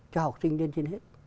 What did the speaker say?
cho học sinh lên trên hết